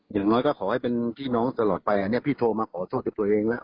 อย่างน้อยก็ขอให้เป็นพี่น้องตลอดไปอันนี้พี่โทรมาขอโทษกับตัวเองแล้ว